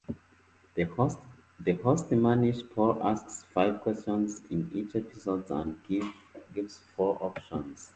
The host Manish Paul asks five questions in each episode and gives four options.